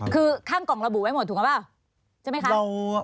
คือข้างกล่องระบุไว้หมดถูกหรือเปล่า